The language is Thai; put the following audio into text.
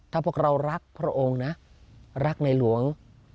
ถ้าพวกเรารักพระองค์นะรักในหลวง